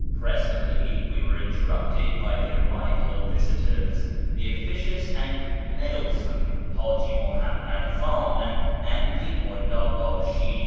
Presently we were interrupted l)y the arrival of visitors, the officious and meddlesome Haji Muhammad Klu'in, and the Mulla bashi.